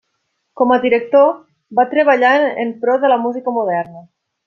Com a director va treballar en pro de la música moderna.